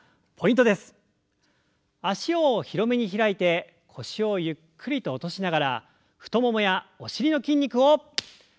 脚を広めに開いて腰をゆっくりと落としながら太ももやお尻の筋肉を刺激していきましょう。